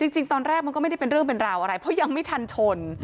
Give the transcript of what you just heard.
จริงตอนแรกมันก็ไม่ได้เป็นเรื่องเป็นราวอะไรเพราะยังไม่ทันชน